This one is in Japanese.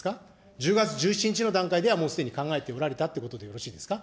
１０月１７日の段階ではもうすでに考えておられたということでよろしいですか。